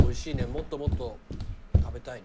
もっともっと食べたいね。